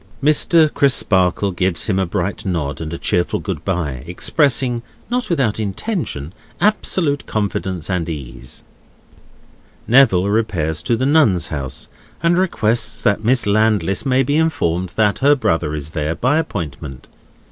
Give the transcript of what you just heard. Mr. Crisparkle gives him a bright nod and a cheerful good bye; expressing (not without intention) absolute confidence and ease. Neville repairs to the Nuns' House, and requests that Miss Landless may be informed that her brother is there, by appointment.